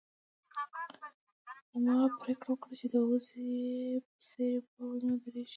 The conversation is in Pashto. غوا پرېکړه وکړه چې د وزې په څېر په ونې ودرېږي.